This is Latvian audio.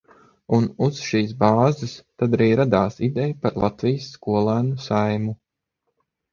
Un uz šīs bāzes tad arī radās ideja par Latvijas Skolēnu Saeimu.